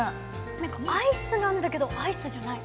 何かアイスなんだけどアイスじゃない。